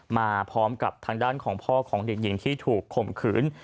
มาพร้อมกับทางด้านของพ่อของเด็กหญิงที่ถูกข่มขืน